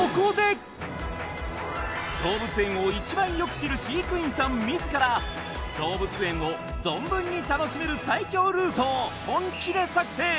動物園を一番よく知る飼育員さん自ら動物園を存分に楽しめる最強ルートを本気で作成